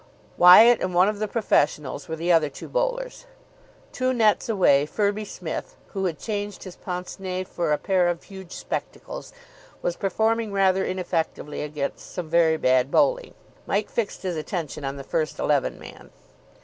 Wyatt and one of the professionals were the other two bowlers. Two nets away Firby Smith, who had changed his pince nez for a pair of huge spectacles, was performing rather ineffectively against some very bad bowling. Mike fixed his attention on the first eleven man.